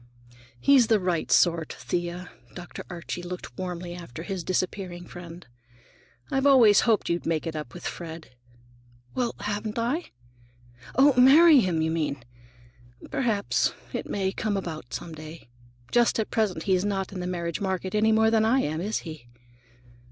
"He's the right sort, Thea." Dr. Archie looked warmly after his disappearing friend. "I've always hoped you'd make it up with Fred." "Well, haven't I? Oh, marry him, you mean! Perhaps it may come about, some day. Just at present he's not in the marriage market any more than I am, is he?"